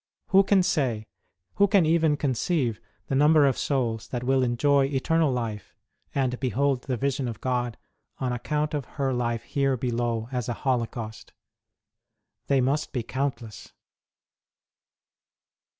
Who can say, who can even con ceive, the number of souls that will enjoy eternal life, and behold the vision of God, on account of her life here below as a holocaust ? They must be countless.